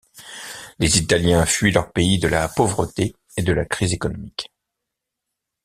Les Italiens fuient leur pays de la pauvreté et de la crise économique.